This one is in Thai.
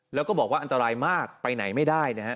แล้วก็บอกว่าอันตรายมากไปไหนไม่ได้นะครับ